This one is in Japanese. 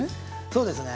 そうですね。